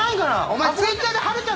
お前。